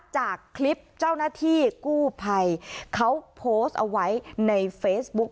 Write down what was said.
จากคลิปเจ้าหน้าที่กู้ภัยเขาโพสต์เอาไว้ในเฟซบุ๊ก